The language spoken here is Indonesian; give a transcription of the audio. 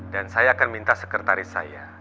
dan saya akan minta sekretaris saya